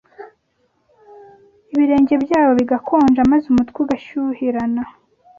ibirenge byabo bigakonja maze umutwe ugashyuhirana.